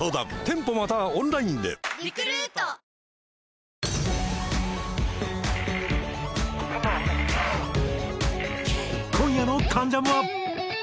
続く今夜の『関ジャム』は。